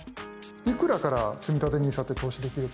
いくらからつみたてＮＩＳＡって投資できると思いますか？